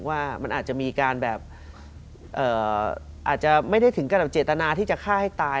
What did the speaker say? ว่ามันอาจจะมีการแบบอาจจะไม่ได้ถึงกับเจตนาที่จะฆ่าให้ตาย